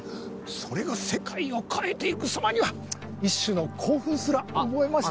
それが世界を変えて行く様には一種の興奮すら覚えました。